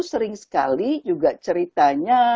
sering sekali juga ceritanya